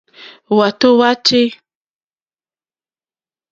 Hwátò hwá tʃǐ.